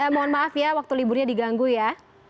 mohon maaf ya waktu liburnya diganggu ya